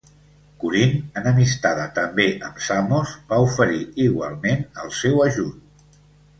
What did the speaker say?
Corint, enemistada també amb Samos, va oferir igualment el seu ajut.